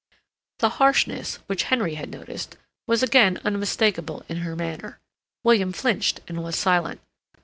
The harshness, which Henry had noticed, was again unmistakable in her manner. William flinched and was silent.